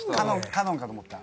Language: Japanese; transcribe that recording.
「カノン」かと思った。